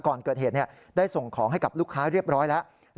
ก่อนเกิดเหตุได้ส่งของให้กับลูกค้าเรียบร้อยแล้ว